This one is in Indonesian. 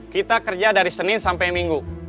kita kerja dari senin sampai minggu